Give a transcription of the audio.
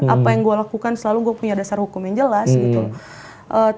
apa yang gue lakukan selalu gue punya dasar hukum yang jelas gitu loh